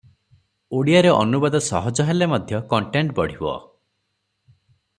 ଓଡ଼ିଆରେ ଅନୁବାଦ ସହଜ ହେଲେ ମଧ୍ୟ କଣ୍ଟେଣ୍ଟ ବଢ଼ିବ ।